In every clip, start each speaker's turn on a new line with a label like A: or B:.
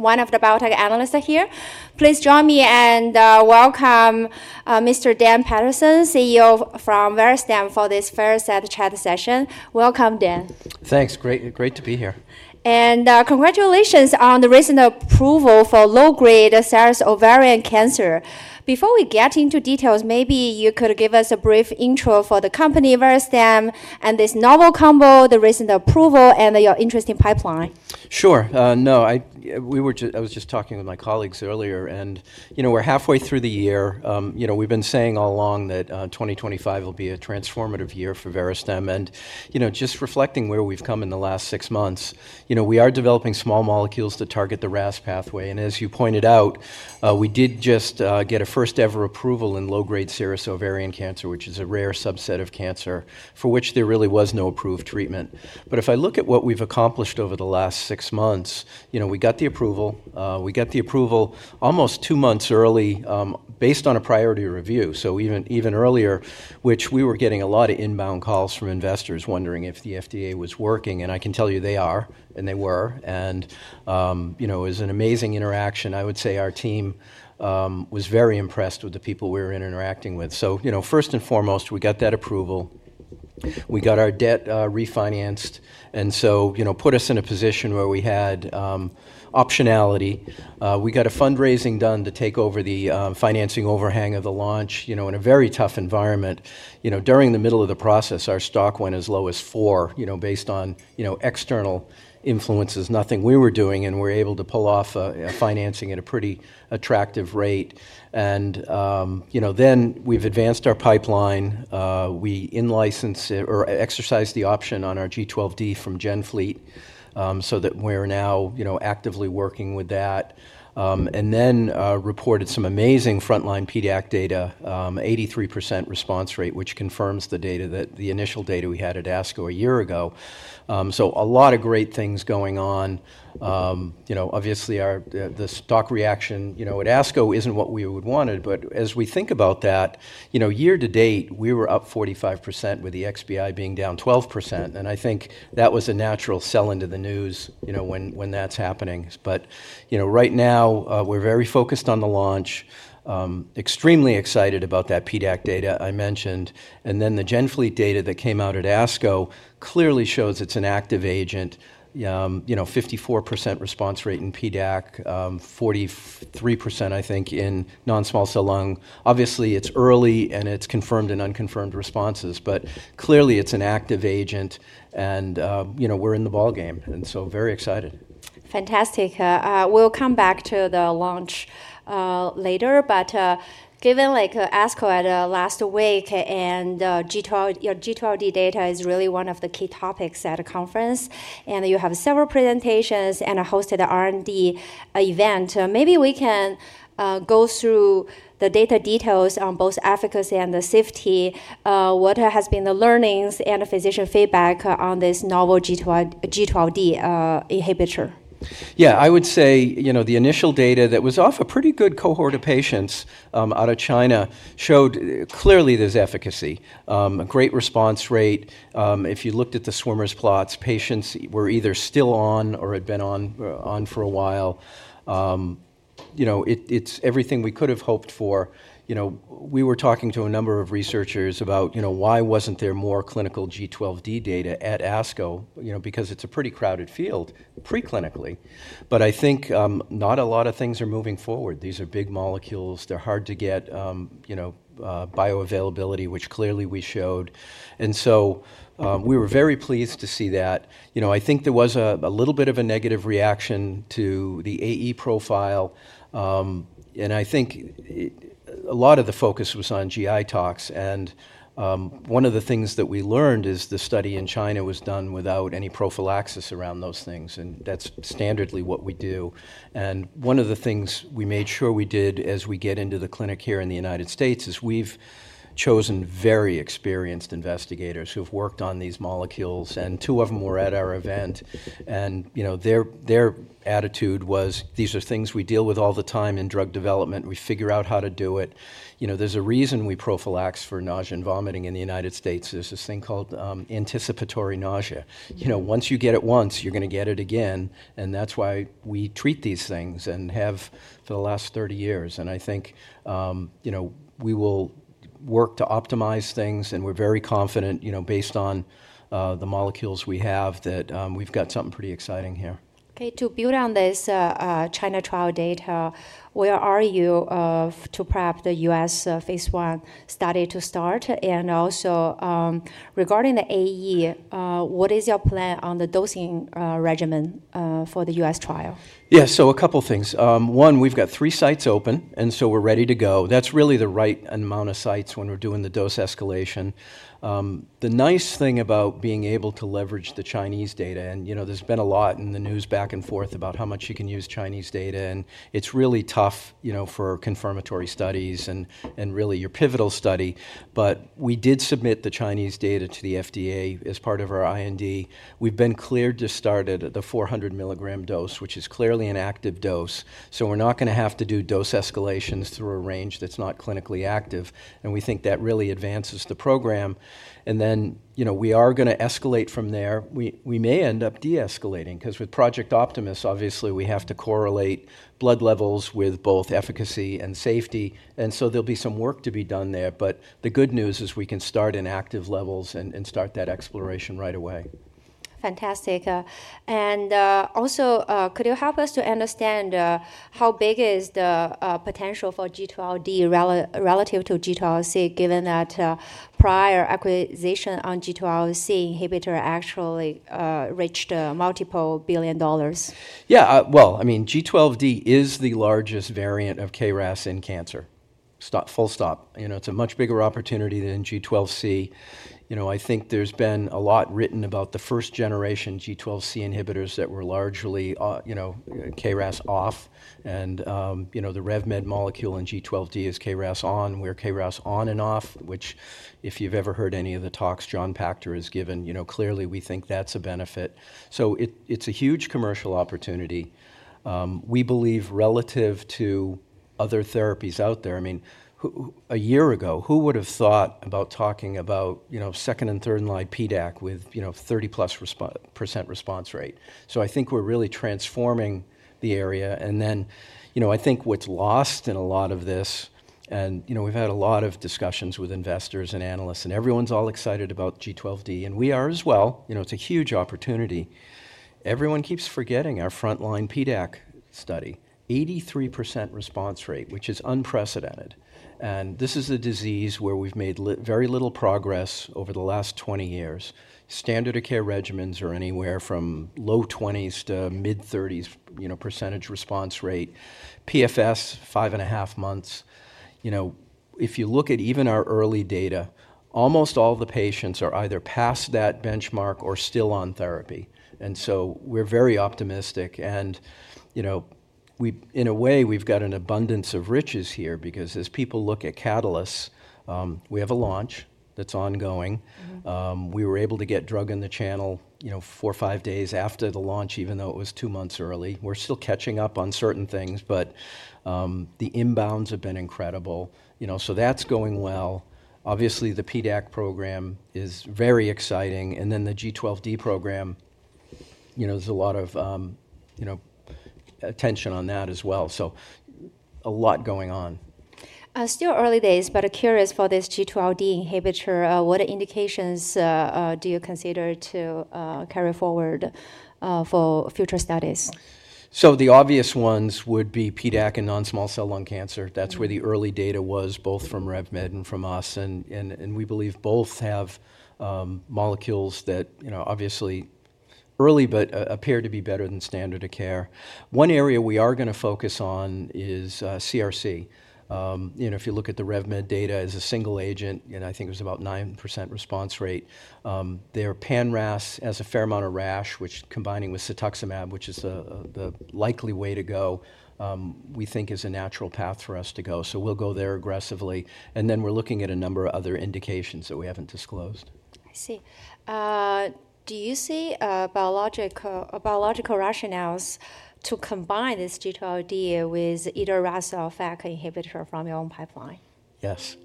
A: One of the Biotech Analyst here. Please join me and welcome Mr. Dan Paterson, CEO from Verastem, for this first chat session. Welcome, Dan.
B: Thanks. Great to be here. Congratulations on the recent approval for low-grade ovarian cancer. Before we get into details, maybe you could give us a brief intro for the company, Verastem, and this novel combo, the recent approval, and your interesting pipeline. Sure. No, I was just talking with my colleagues earlier, and we're halfway through the year. We've been saying all along that 2025 will be a transformative year for Verastem. Just reflecting where we've come in the last six months, we are developing small molecules to target the RAS pathway. As you pointed out, we did just get a first-ever approval in low-grade serous ovarian cancer, which is a rare subset of cancer for which there really was no approved treatment. If I look at what we've accomplished over the last six months, we got the approval. We got the approval almost two months early based on a priority review, so even earlier, which we were getting a lot of inbound calls from investors wondering if the FDA was working. I can tell you they are, and they were. It was an amazing interaction. I would say our team was very impressed with the people we were interacting with. First and foremost, we got that approval. We got our debt refinanced. That put us in a position where we had optionality. We got a fundraising done to take over the financing overhang of the launch in a very tough environment. During the middle of the process, our stock went as low as $4 based on external influences, nothing we were doing, and we were able to pull off financing at a pretty attractive rate. We have advanced our pipeline. We exercised the option on our G12D from GenFleet so that we are now actively working with that. We reported some amazing frontline PDAC data, 83% response rate, which confirms the initial data we had at ASCO a year ago. A lot of great things going on. Obviously, the stock reaction at ASCO is not what we would have wanted. As we think about that, year to date, we were up 45%, with the XBI being down 12%. I think that was a natural sell into the news when that is happening. Right now, we are very focused on the launch, extremely excited about that PDAC data I mentioned. The GenFleet data that came out at ASCO clearly shows it is an active agent, 54% response rate in PDAC, 43%, I think, in non-small cell lung. Obviously, it is early, and it is confirmed and unconfirmed responses. Clearly, it is an active agent, and we are in the ballgame. Very excited. Fantastic. We'll come back to the launch later. Given ASCO at last week and your G12D data is really one of the key topics at the conference, and you have several presentations and hosted an R&D event, maybe we can go through the data details on both efficacy and the safety, what has been the learnings and physician feedback on this novel G12D inhibitor. Yeah. I would say the initial data that was off a pretty good cohort of patients out of China showed clearly there is efficacy, a great response rate. If you looked at the swimmer's plots, patients were either still on or had been on for a while. It is everything we could have hoped for. We were talking to a number of researchers about why was not there more clinical G12D data at ASCO, because it is a pretty crowded field preclinically. I think not a lot of things are moving forward. These are big molecules. They are hard to get, bioavailability, which clearly we showed. We were very pleased to see that. I think there was a little bit of a negative reaction to the AE profile. I think a lot of the focus was on GI tox. One of the things that we learned is the study in China was done without any prophylaxis around those things. That is standardly what we do. One of the things we made sure we did as we get into the clinic here in the United States is we have chosen very experienced investigators who have worked on these molecules. Two of them were at our event. Their attitude was, these are things we deal with all the time in drug development. We figure out how to do it. There is a reason we prophylax for nausea and vomiting in the United States. There is this thing called anticipatory nausea. Once you get it once, you are going to get it again. That is why we treat these things and have for the last 30 years. I think we will work to optimize things. We are very confident, based on the molecules we have, that we have got something pretty exciting here. Okay. To build on this China trial data, where are you to prep the U.S. phase I study to start? Also, regarding the AE, what is your plan on the dosing regimen for the U.S. trial? Yeah. So a couple of things. One, we've got three sites open, and so we're ready to go. That's really the right amount of sites when we're doing the dose escalation. The nice thing about being able to leverage the Chinese data, and there's been a lot in the news back and forth about how much you can use Chinese data, and it's really tough for confirmatory studies and really your pivotal study. We did submit the Chinese data to the FDA as part of our IND. We've been cleared to start at the 400 mg dose, which is clearly an active dose. We're not going to have to do dose escalations through a range that's not clinically active. We think that really advances the program. We are going to escalate from there. We may end up de-escalating, because with Project Optimus, obviously, we have to correlate blood levels with both efficacy and safety. There will be some work to be done there. The good news is we can start in active levels and start that exploration right away. Fantastic. Could you help us to understand how big is the potential for G12D relative to G12C, given that prior acquisition on G12C inhibitor actually reached multiple billion dollars? Yeah. I mean, G12D is the largest variant of KRAS in cancer. Full stop. It's a much bigger opportunity than G12C. I think there's been a lot written about the first generation G12C inhibitors that were largely KRAS off. The RevMed molecule in G12D is KRAS on. We're KRAS on and off, which, if you've ever heard any of the talks John Pachter has given, clearly, we think that's a benefit. It's a huge commercial opportunity. We believe, relative to other therapies out there, I mean, a year ago, who would have thought about talking about second and third in line PDAC with 30% response rate? I think we're really transforming the area. I think what's lost in a lot of this, and we've had a lot of discussions with investors and analysts, and everyone's all excited about G12D, and we are as well. It's a huge opportunity. Everyone keeps forgetting our frontline PDAC study, 83% response rate, which is unprecedented. This is a disease where we've made very little progress over the last 20 years. Standard of care regimens are anywhere from low 20s to mid 30s response rate. PFS, five and a half months. If you look at even our early data, almost all the patients are either past that benchmark or still on therapy. We are very optimistic. In a way, we've got an abundance of riches here, because as people look at catalysts, we have a launch that's ongoing. We were able to get drug in the channel four or five days after the launch, even though it was two months early. We're still catching up on certain things. The inbounds have been incredible. That's going well. Obviously, the PDAC program is very exciting. The G12D program, there's a lot of attention on that as well. A lot going on. Still early days, but curious for this G12D inhibitor. What indications do you consider to carry forward for future studies? The obvious ones would be PDAC in non-small cell lung cancer. That is where the early data was, both from RevMed and from us. We believe both have molecules that, obviously early, but appear to be better than standard of care. One area we are going to focus on is CRC. If you look at the RevMed data as a single agent, and I think it was about 9% response rate, their pan RAS has a fair amount of rash, which, combining with cetuximab, which is the likely way to go, we think is a natural path for us to go. We will go there aggressively. We are looking at a number of other indications that we have not disclosed. I see. Do you see biological rationales to combine this G12D with either RAS or FAK inhibitor from your own pipeline? Yes.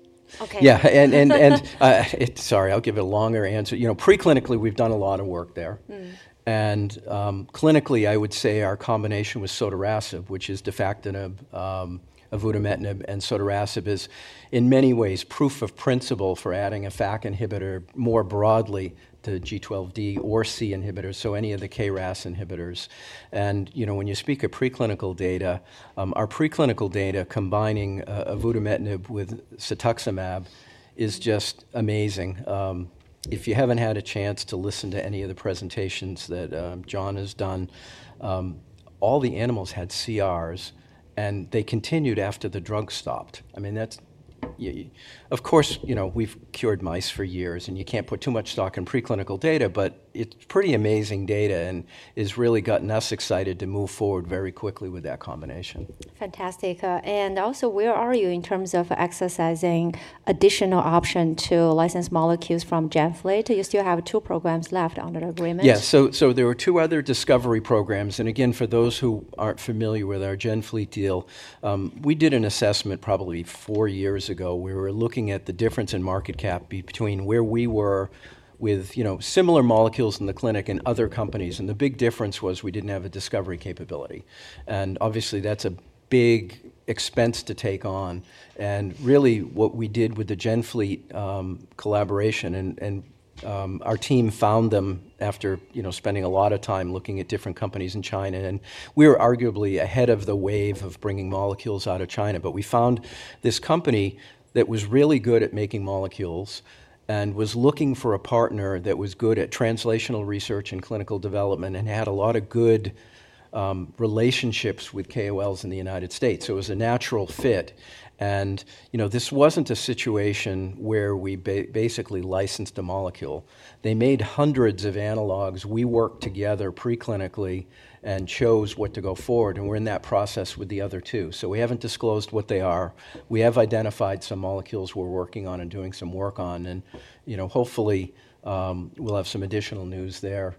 B: Okay. Yeah. Sorry, I'll give a longer answer. Preclinically, we've done a lot of work there. Clinically, I would say our combination with sotorasib, which is defactinib, avutometinib, and sotorasib, is in many ways proof of principle for adding a FAK inhibitor more broadly to a G12D or C inhibitor, so any of the KRAS inhibitors. When you speak of preclinical data, our preclinical data combining avutometinib with cetuximab is just amazing. If you haven't had a chance to listen to any of the presentations that John has done, all the animals had CRs, and they continued after the drug stopped. I mean, of course, we've cured mice for years, and you can't put too much stock in preclinical data. It's pretty amazing data and has really gotten us excited to move forward very quickly with that combination. Fantastic. Where are you in terms of exercising additional option to license molecules from GenFleet? You still have two programs left under the agreement. Yeah. There were two other discovery programs. Again, for those who are not familiar with our GenFleet deal, we did an assessment probably four years ago. We were looking at the difference in market cap between where we were with similar molecules in the clinic and other companies. The big difference was we did not have a discovery capability. Obviously, that is a big expense to take on. Really, what we did with the GenFleet collaboration, our team found them after spending a lot of time looking at different companies in China. We were arguably ahead of the wave of bringing molecules out of China. We found this company that was really good at making molecules and was looking for a partner that was good at translational research and clinical development and had a lot of good relationships with KOLs in the United States. It was a natural fit. This was not a situation where we basically licensed a molecule. They made hundreds of analogs. We worked together preclinically and chose what to go forward. We are in that process with the other two. We have not disclosed what they are. We have identified some molecules we are working on and doing some work on. Hopefully, we will have some additional news there.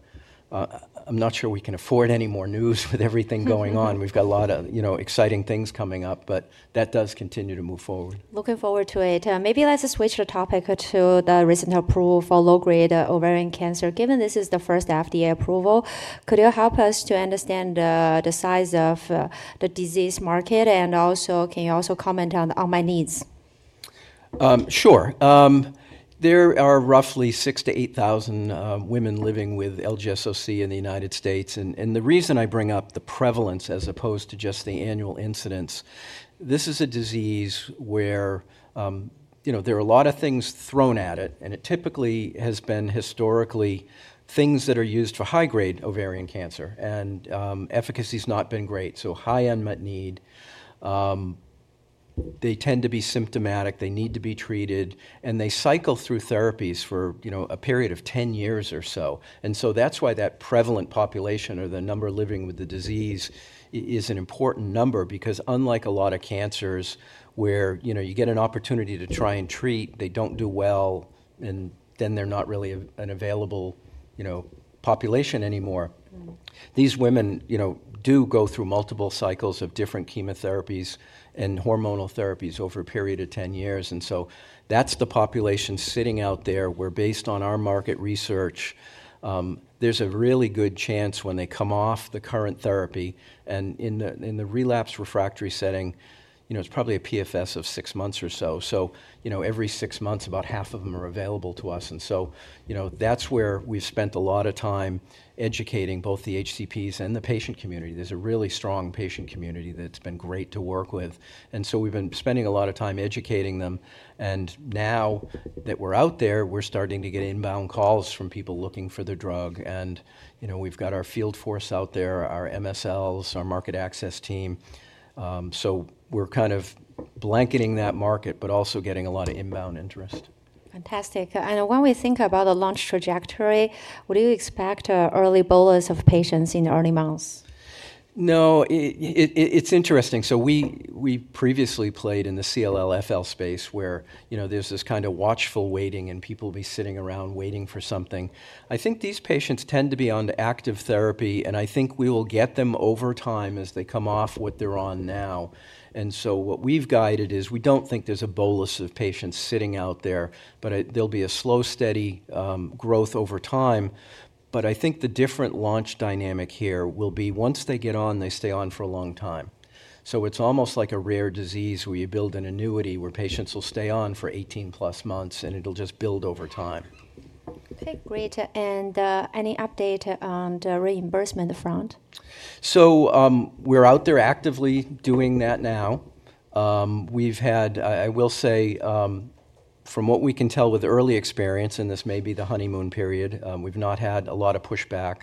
B: I am not sure we can afford any more news with everything going on. We have a lot of exciting things coming up. That does continue to move forward. Looking forward to it. Maybe let's switch the topic to the recent approval for low-grade ovarian cancer. Given this is the first FDA approval, could you help us to understand the size of the disease market? Can you also comment on my needs? Sure. There are roughly 6,000-8,000 women living with LGSOC in the United States. The reason I bring up the prevalence as opposed to just the annual incidence, this is a disease where there are a lot of things thrown at it. It typically has been historically things that are used for high-grade ovarian cancer. Efficacy has not been great. High end might need. They tend to be symptomatic. They need to be treated. They cycle through therapies for a period of 10 years or so. That is why that prevalent population or the number living with the disease is an important number, because unlike a lot of cancers where you get an opportunity to try and treat, they do not do well. Then they are not really an available population anymore. These women do go through multiple cycles of different chemotherapies and hormonal therapies over a period of 10 years. That is the population sitting out there where, based on our market research, there's a really good chance when they come off the current therapy. In the relapse refractory setting, it's probably a PFS of six months or so. Every six months, about half of them are available to us. That is where we've spent a lot of time educating both the HCPs and the patient community. There's a really strong patient community that's been great to work with. We've been spending a lot of time educating them. Now that we're out there, we're starting to get inbound calls from people looking for the drug. We've got our field force out there, our MSLs, our market access team. We're kind of blanketing that market, but also getting a lot of inbound interest. Fantastic. When we think about the launch trajectory, would you expect early bolus of patients in the early months? No. It's interesting. We previously played in the CLL, FL space, where there's this kind of watchful waiting, and people will be sitting around waiting for something. I think these patients tend to be on active therapy. I think we will get them over time as they come off what they're on now. What we've guided is we don't think there's a bolus of patients sitting out there. There'll be a slow, steady growth over time. I think the different launch dynamic here will be, once they get on, they stay on for a long time. It's almost like a rare disease where you build an annuity where patients will stay on for 18 plus months, and it'll just build over time. Okay. Great. Any update on the reimbursement front? We're out there actively doing that now. I will say, from what we can tell with early experience, and this may be the honeymoon period, we've not had a lot of pushback.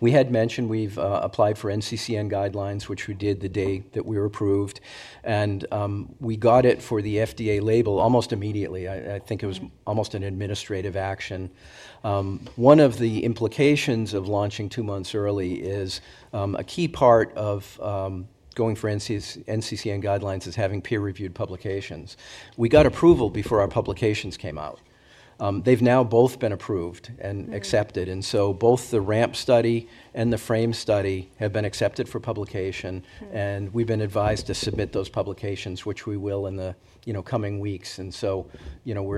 B: We had mentioned we've applied for NCCN guidelines, which we did the day that we were approved. We got it for the FDA label almost immediately. I think it was almost an administrative action. One of the implications of launching two months early is a key part of going for NCCN guidelines is having peer-reviewed publications. We got approval before our publications came out. They've now both been approved and accepted. Both the RAMP study and the FRAME study have been accepted for publication. We've been advised to submit those publications, which we will in the coming weeks. We're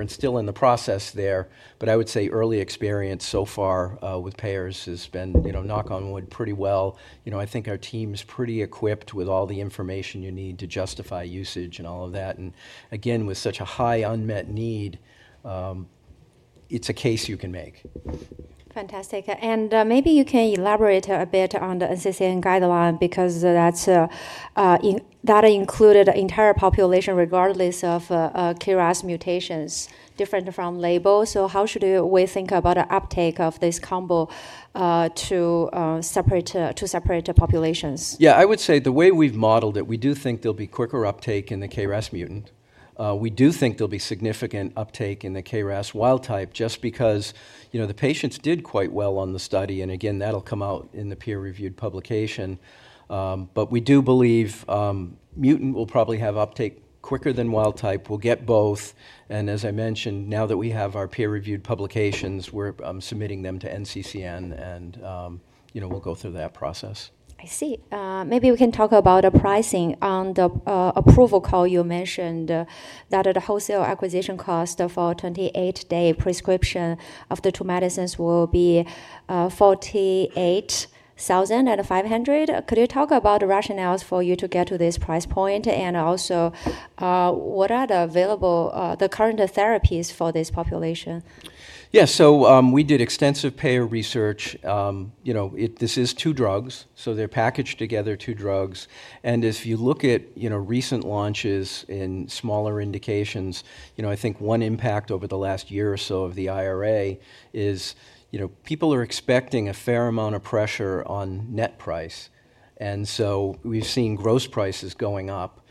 B: still in the process there. I would say early experience so far with payers has been, knock on wood, pretty well. I think our team is pretty equipped with all the information you need to justify usage and all of that. Again, with such a high unmet need, it's a case you can make. Fantastic. Maybe you can elaborate a bit on the NCCN guideline, because that included the entire population regardless of KRAS mutations, different from label. How should we think about the uptake of this combo to separate populations? Yeah. I would say the way we've modeled it, we do think there'll be quicker uptake in the KRAS mutant. We do think there'll be significant uptake in the KRAS wild type, just because the patients did quite well on the study. Again, that'll come out in the peer-reviewed publication. We do believe mutant will probably have uptake quicker than wild type. We'll get both. As I mentioned, now that we have our peer-reviewed publications, we're submitting them to NCCN. We'll go through that process. I see. Maybe we can talk about pricing on the approval call you mentioned, that the wholesale acquisition cost for a 28-day prescription of the two medicines will be $48,500. Could you talk about the rationales for you to get to this price point? Also, what are the available, the current therapies for this population? Yeah. We did extensive payer research. This is two drugs. They are packaged together, two drugs. If you look at recent launches in smaller indications, I think one impact over the last year or so of the IRA is people are expecting a fair amount of pressure on net price. We have seen gross prices going up.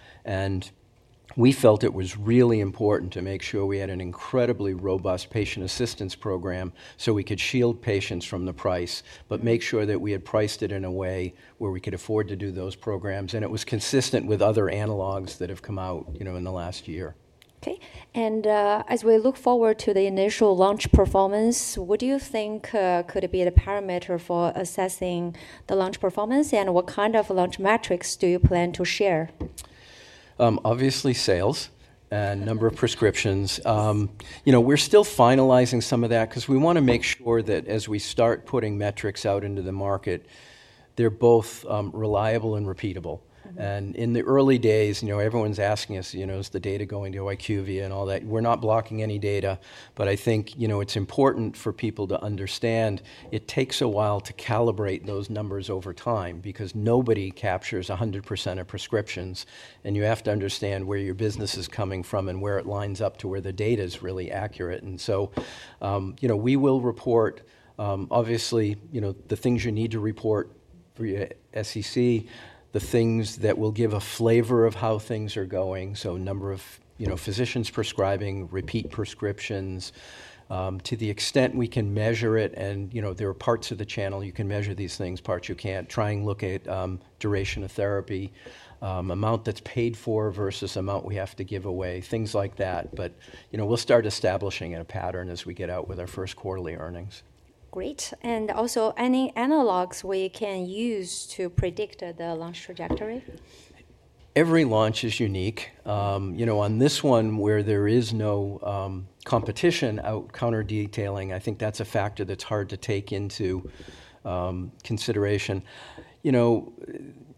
B: We felt it was really important to make sure we had an incredibly robust patient assistance program so we could shield patients from the price, but make sure that we had priced it in a way where we could afford to do those programs. It was consistent with other analogs that have come out in the last year. Okay. As we look forward to the initial launch performance, what do you think could be the parameter for assessing the launch performance? What kind of launch metrics do you plan to share? Obviously, sales and number of prescriptions. We're still finalizing some of that, because we want to make sure that as we start putting metrics out into the market, they're both reliable and repeatable. In the early days, everyone's asking us, is the data going to IQVIA and all that? We're not blocking any data. I think it's important for people to understand it takes a while to calibrate those numbers over time, because nobody captures 100% of prescriptions. You have to understand where your business is coming from and where it lines up to where the data is really accurate. We will report, obviously, the things you need to report for your SCC, the things that will give a flavor of how things are going. Number of physicians prescribing, repeat prescriptions, to the extent we can measure it. There are parts of the channel you can measure these things, parts you can't. Try and look at duration of therapy, amount that's paid for versus amount we have to give away, things like that. We'll start establishing a pattern as we get out with our first quarterly earnings. Great. Also, any analogs we can use to predict the launch trajectory? Every launch is unique. On this one, where there is no competition or counter-detailing, I think that's a factor that's hard to take into consideration. You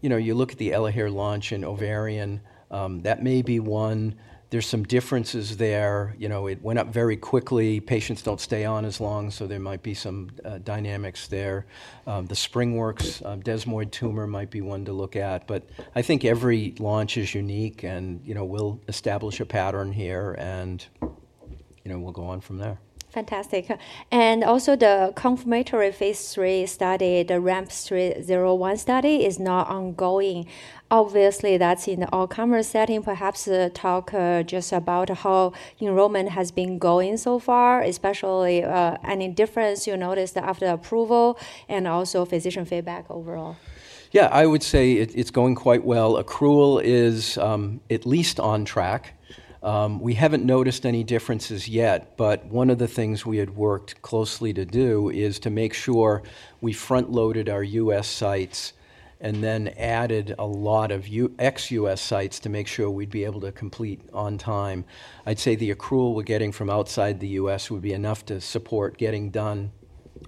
B: look at the ELAHERE launch in ovarian. That may be one. There are some differences there. It went up very quickly. Patients do not stay on as long. There might be some dynamics there. The SpringWorks desmoid tumor might be one to look at. I think every launch is unique. We will establish a pattern here. We will go on from there. Fantastic. Also, the confirmatory phase three study, the RAMP 201 study, is now ongoing. Obviously, that's in the all-comers setting. Perhaps talk just about how enrollment has been going so far, especially any difference you noticed after approval and also physician feedback overall. Yeah. I would say it's going quite well. Accrual is at least on track. We haven't noticed any differences yet. One of the things we had worked closely to do is to make sure we front-loaded our U.S. sites and then added a lot of ex-U.S. sites to make sure we'd be able to complete on time. I'd say the accrual we're getting from outside the U.S. would be enough to support getting done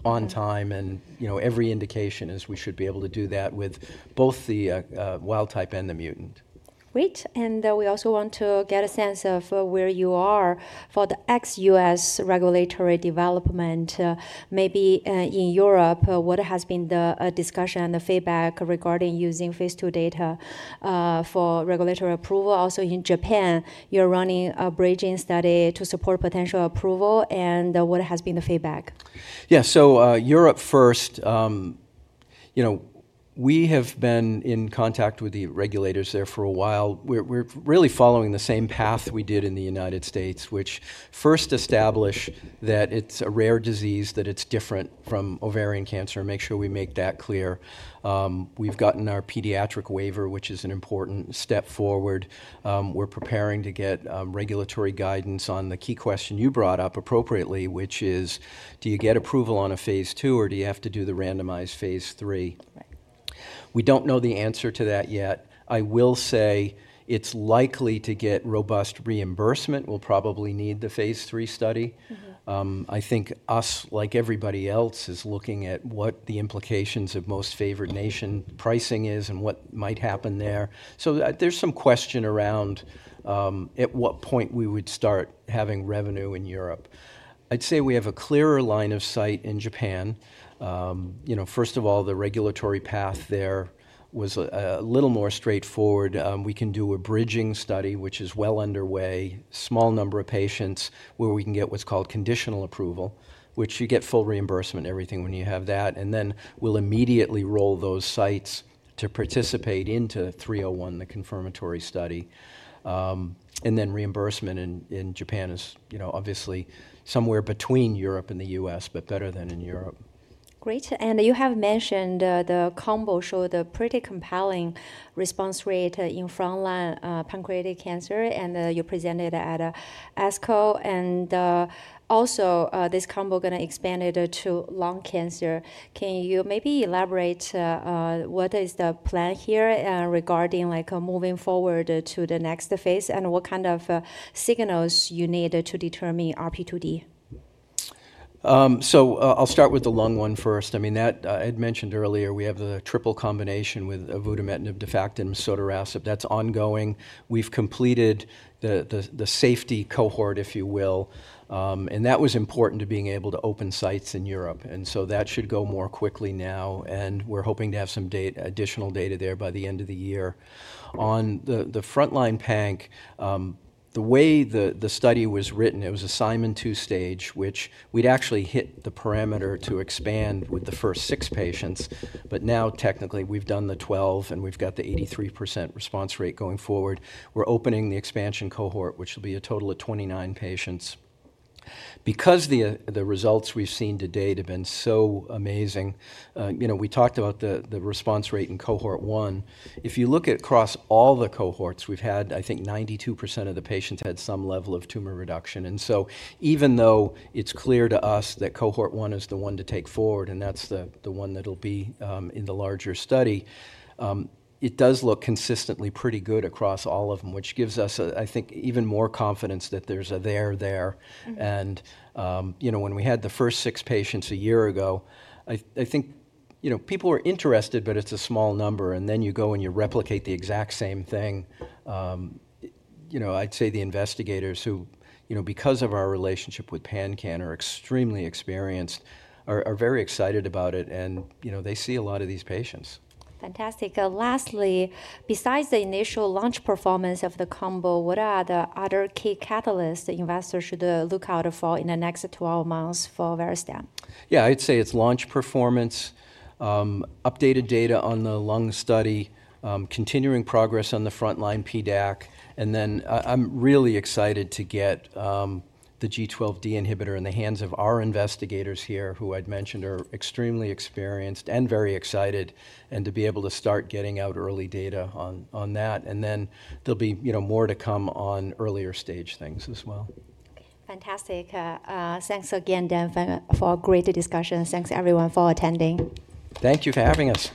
B: on time. Every indication is we should be able to do that with both the wild type and the mutant. Great. We also want to get a sense of where you are for the ex-U.S. regulatory development. Maybe in Europe, what has been the discussion and the feedback regarding using phase two data for regulatory approval? Also, in Japan, you're running a bridging study to support potential approval. What has been the feedback? Yeah. Europe first. We have been in contact with the regulators there for a while. We're really following the same path we did in the United States, which first established that it's a rare disease, that it's different from ovarian cancer. Make sure we make that clear. We've gotten our pediatric waiver, which is an important step forward. We're preparing to get regulatory guidance on the key question you brought up appropriately, which is, do you get approval on a phase two, or do you have to do the randomized phase three? We don't know the answer to that yet. I will say it's likely to get robust reimbursement. We'll probably need the phase III study. I think us, like everybody else, is looking at what the implications of most favored nation pricing is and what might happen there. There is some question around at what point we would start having revenue in Europe. I would say we have a clearer line of sight in Japan. First of all, the regulatory path there was a little more straightforward. We can do a bridging study, which is well underway, small number of patients where we can get what is called conditional approval, which you get full reimbursement, everything when you have that. We will immediately roll those sites to participate into 301, the confirmatory study. Reimbursement in Japan is obviously somewhere between Europe and the U.S., but better than in Europe. Great. You have mentioned the combo showed a pretty compelling response rate in frontline pancreatic cancer. You presented at ASCO. Also, this combo is going to expand it to lung cancer. Can you maybe elaborate what is the plan here regarding moving forward to the next phase and what kind of signals you need to determine RP2D? I'll start with the lung one first. I mean, that I had mentioned earlier. We have the triple combination with avutometinib, defactinib, and sotorasib. That's ongoing. We've completed the safety cohort, if you will. That was important to being able to open sites in Europe. That should go more quickly now. We're hoping to have some additional data there by the end of the year. On the frontline PanC, the way the study was written, it was a Simon II stage, which we'd actually hit the parameter to expand with the first six patients. Now, technically, we've done the 12, and we've got the 83% response rate going forward. We're opening the expansion cohort, which will be a total of 29 patients. Because the results we've seen to date have been so amazing, we talked about the response rate in cohort one. If you look at across all the cohorts, we've had, I think, 92% of the patients had some level of tumor reduction. Even though it's clear to us that cohort one is the one to take forward, and that's the one that'll be in the larger study, it does look consistently pretty good across all of them, which gives us, I think, even more confidence that there's a there there. When we had the first six patients a year ago, I think people are interested, but it's a small number. You go and you replicate the exact same thing. I'd say the investigators, who because of our relationship with PanCAN are extremely experienced, are very excited about it. They see a lot of these patients. Fantastic. Lastly, besides the initial launch performance of the combo, what are the other key catalysts investors should look out for in the next 12 months for Verastem? Yeah. I'd say it's launch performance, updated data on the lung study, continuing progress on the frontline PDAC. I'm really excited to get the G12D inhibitor in the hands of our investigators here, who I'd mentioned are extremely experienced and very excited, and to be able to start getting out early data on that. There'll be more to come on earlier stage things as well. Fantastic. Thanks again, Dan, for a great discussion. Thanks, everyone, for attending. Thank you for having us.